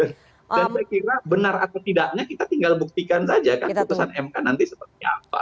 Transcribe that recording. dan saya kira benar atau tidaknya kita tinggal buktikan saja kan putusan mk nanti sepertinya apa